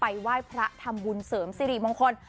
ไหว้พระทำบุญเสริมสิริมงคล